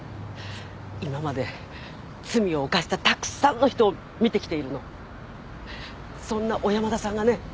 今まで罪を犯したたくさんの人を見てきているのそんな小山田さんがね